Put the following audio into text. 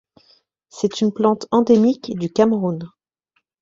C’est une plante endémique du Cameroun.